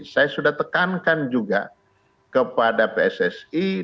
saya sudah tekankan juga kepada pssi